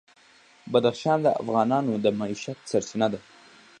بدخشان د افغانانو د معیشت سرچینه ده.